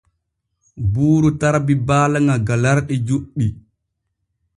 Buuru tarbi baala ŋa galarɗi juɗɗi.